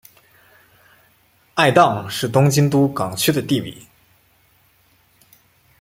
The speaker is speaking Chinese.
爱宕是东京都港区的地名。